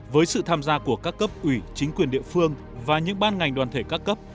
với sự tham gia của các cấp ủy chính quyền địa phương và những ban ngành đoàn thể các cấp